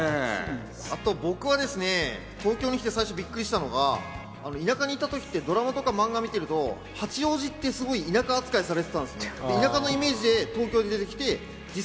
あと僕はですね、東京に来て最初にびっくりしたのは田舎にいたときって、ドラマやマンガを見ている時、八王子ってすごく田舎扱いされてたんです。